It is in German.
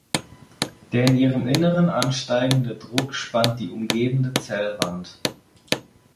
Der in ihrem Inneren ansteigende Druck spannt die umgebende Zellwand.